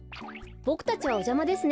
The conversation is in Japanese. ボクたちはおじゃまですね。